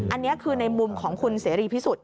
อันนี้คือในมุมของคุณเสรีพิสุทธิ